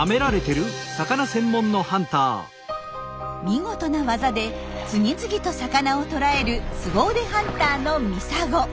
見事な技で次々と魚を捕らえるスゴ腕ハンターのミサゴ。